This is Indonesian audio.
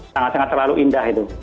sangat sangat selalu indah itu